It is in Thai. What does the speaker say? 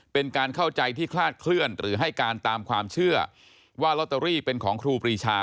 เป็นการเข้าใจที่คลาดเคลื่อนหรือให้การตามความเชื่อว่าลอตเตอรี่เป็นของครูปรีชา